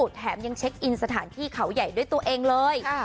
แถมยังเช็คอินสถานที่เขาใหญ่ด้วยตัวเองเลย